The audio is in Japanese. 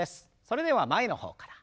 それでは前の方から。